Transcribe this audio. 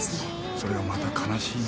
それがまた悲しいな。